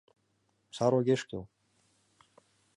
«Сар огеш кӱл!»